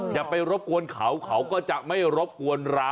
อย่าไปรบกวนเขาเขาก็จะไม่รบกวนเรา